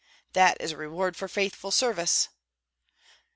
"That is a reward for faithful service!"